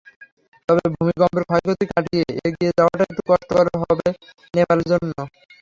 তবে ভূমিকম্পের ক্ষয়ক্ষতি কাটিয়ে এগিয়ে যাওয়াটা একটু কষ্টকর হবে নেপালের জন্য।